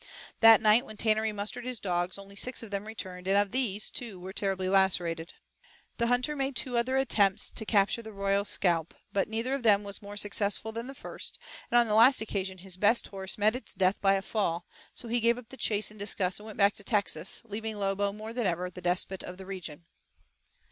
That night when Tannerey mustered his dogs, only six of them returned, and of these, two were terribly lacerated. This hunter made two other attempts to capture the royal scalp, but neither of them was more successful than the first, and on the last occasion his best horse met its death by a fall; so he gave up the chase in disgust and went back to Texas, leaving Lobo more than ever the despot of the region.